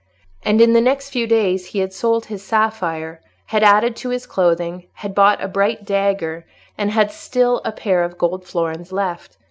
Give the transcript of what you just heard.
And in the next few days he had sold his sapphire, had added to his clothing, had bought a bright dagger, and had still a pair of gold florins left.